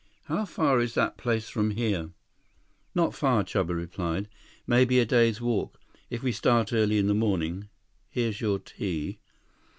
"How far is that place from here?" "Not far," Chuba replied. "Maybe a day's walk. If we start early in morning.... Here's your tea."